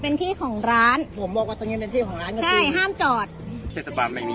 เป็นที่ของร้านผมบอกว่าตรงงี้เป็นที่ของร้าน